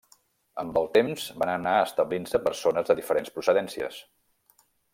Amb el temps van anar establint-se persones de diferents procedències.